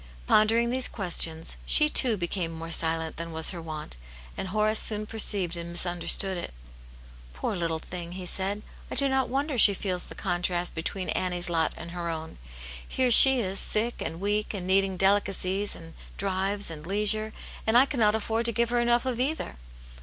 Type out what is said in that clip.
Pon dering these questions, she, too, became more silent than was her wont, and Horace soon perceived and misunderstood it. "Poor little thing!" he said, "I do not wonder she feels the contrast between Annie's lot and her own! Here she is sick and weak, and needing delicacies, and drives, and leisure, and I cannot afford to give her enough of either!